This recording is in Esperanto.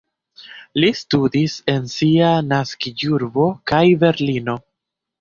Li studis en sia naskiĝurbo kaj Berlino.